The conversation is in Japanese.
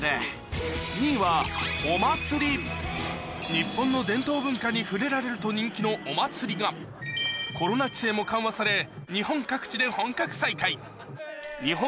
日本の伝統文化に触れられると人気のお祭りがコロナ規制も緩和され日本各地で本格再開